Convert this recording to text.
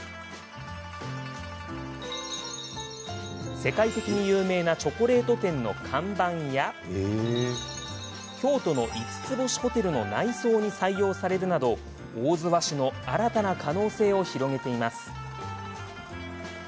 世界的に有名なチョコレート店の看板や京都の五つ星ホテルの内装に採用されるなど大洲和紙の新たな可能性を広げています。